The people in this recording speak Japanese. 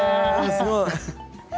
すごい。